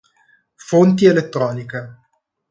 Fonti elettroniche